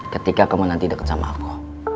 ketika kamu nanti dekat sama aku